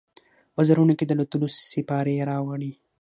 وزرونو کې، د الوتلو سیپارې راوړي